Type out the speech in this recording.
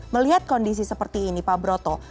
melihat kondisi seperti ini pak broto